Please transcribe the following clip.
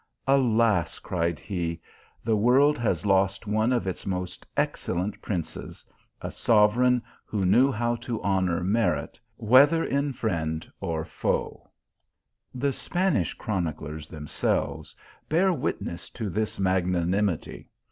" Alas !" cried he, " the world has lost one of its most excellent princes ; a sover eign who knew how to honour merit, whether in friend or foe !" The Spanish chroniclers themselves bear witness to this magnanimity.